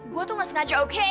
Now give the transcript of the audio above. gue tuh gak sengaja oke